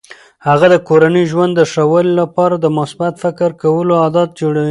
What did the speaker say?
هغه د کورني ژوند د ښه والي لپاره د مثبت فکر کولو عادات جوړوي.